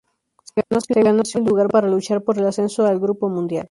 Se ganó así un lugar para luchar por el ascenso al Grupo Mundial.